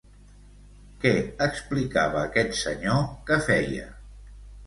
Què explicava aquest senyor que feia?